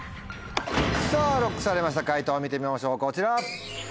さぁＬＯＣＫされました解答見てみましょうこちら。